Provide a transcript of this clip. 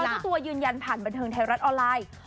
เจ้าตัวยืนยันผ่านบันเทิงไทยรัฐออนไลน์